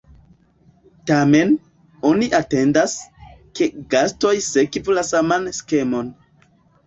Tamen, oni atendas, ke gastoj sekvu la saman skemon.